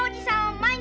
毎日？